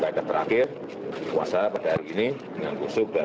pak rencana pak ke solo atau pulang ke solo